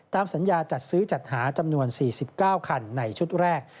สัญญาจัดซื้อจัดหาจำนวน๔๙คันในชุดแรก